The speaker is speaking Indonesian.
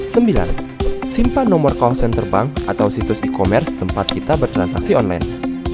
sembilan simpan nomor kawasan terbang atau situs e commerce tempat kita bertransaksi online